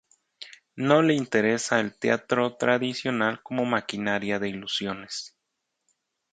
No le interesa el teatro tradicional como maquinaria de ilusiones.